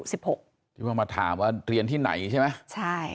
สมมติว่ามาถามว่าเรียนที่ไหนใช่ไหม